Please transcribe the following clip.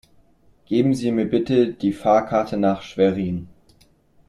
Geben Sie mir bitte die Fahrkarte nach Schwerin